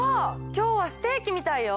今日はステーキみたいよ！